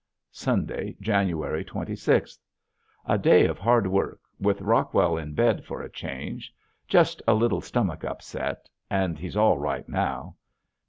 Sunday, January twenty sixth. A day of hard work with Rockwell in bed for a change. Just a little stomach upset and he's all right now.